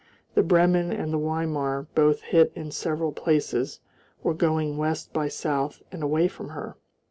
The Bremen and the Weimar, both hit in several places, were going west by south and away from her.